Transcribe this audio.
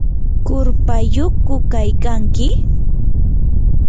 ¿qurpayyuqku kaykanki?